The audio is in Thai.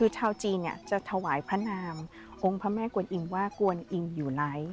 ชาวจีนจะถวายพระนามองค์พระแม่กวนอิงว่ากวนอิงอยู่ไลท์